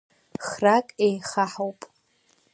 Храк еихаҳауп…